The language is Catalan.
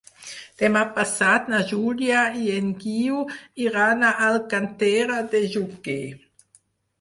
Demà passat na Júlia i en Guiu iran a Alcàntera de Xúquer.